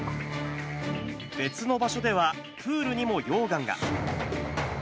別の場所ではプールにも溶岩が。